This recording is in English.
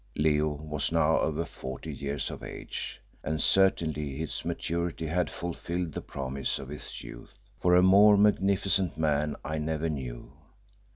Leo was now over forty years of age, and certainly his maturity had fulfilled the promise of his youth, for a more magnificent man I never knew.